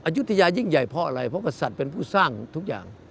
อยู่ที่ยายิ่งใหญ่เพราะอะไรเพราะประสัตว์เป็นผู้สร้างทุกอย่าง